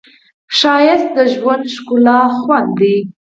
ښایست د ژوند ښکلی خوند دی